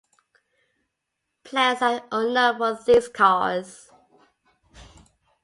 Plans are unknown for these cars.